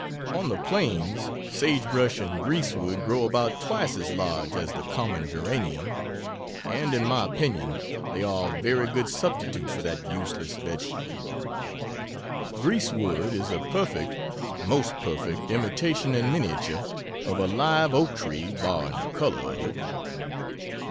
On the plains, sage brush and grease wood grow about twice as large as the common geranium and in my opinion they are a very good substitute for that useless vegetable. Grease wood is a perfect most perfect imitation in miniature of a live oak tree barring the color of it.